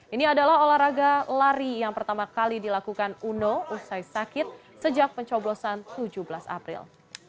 ini adalah olahraga lari yang pertama kali dilakukan uno usai sakit sejak pencoblosan tujuh belas april